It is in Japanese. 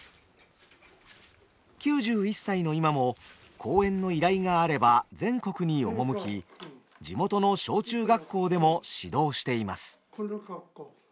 ９１歳の今も公演の依頼があれば全国に赴き地元の小中学校でも指導しています。